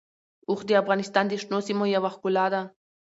اوښ د افغانستان د شنو سیمو یوه ښکلا ده.